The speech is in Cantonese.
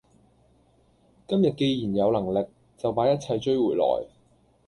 今天既然有能力，就把一切追回來！